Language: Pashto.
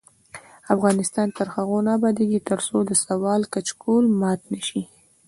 افغانستان تر هغو نه ابادیږي، ترڅو د سوال کچکول مات نشي.